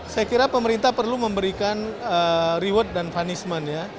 saya kira pemerintah perlu memberikan reward dan punishment ya